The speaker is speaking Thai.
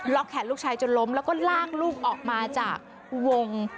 แขนลูกชายจนล้มแล้วก็ลากลูกออกมาจากวง